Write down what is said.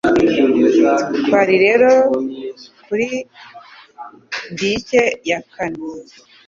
Twari rero kuri dyke ya kane